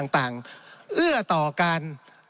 ต่างเอื้อต่อการ